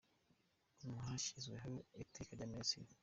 Mu hashyizweho Iteka rya Minisitiri.